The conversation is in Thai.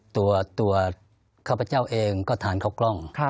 ตัวข้าพเจ้าเองก็ทานข้าวกล้อง